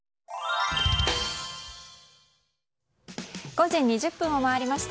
５時２０分を回りました。